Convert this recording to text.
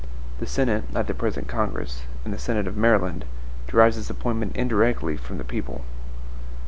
The Senate, like the present Congress, and the Senate of Maryland, derives its appointment indirectly from the people.